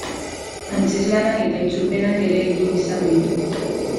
Antzezlanak eta itzulpenak ere egin izan ditu.